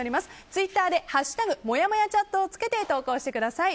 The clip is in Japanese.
ツイッターで「＃もやもやチャット」をつけて投稿してください。